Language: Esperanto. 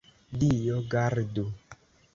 Dio gardu!